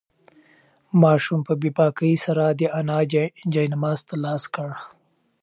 ماشوم په بې باکۍ سره د انا جاینماز ته لاس کړ.